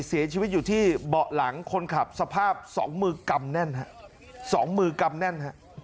เสียชีวิตอยู่ที่เบาะหลังคนขับสภาพสองมือกำแน่นฮะสองมือกำแน่นฮะ